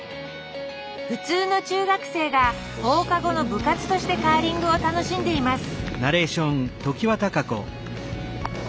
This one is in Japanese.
普通の中学生が放課後の部活としてカーリングを楽しんでいます